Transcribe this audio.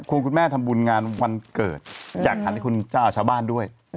คุณแม่ทำบุญงานวันเกิดอยากหันให้คุณชาวบ้านด้วย